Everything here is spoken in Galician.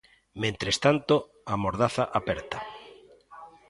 Mentres tanto, a mordaza aperta.